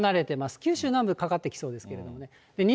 九州南部かかってきそうですけどね。